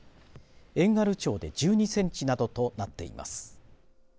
遠軽町で１２センチなどとなっています。